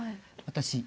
私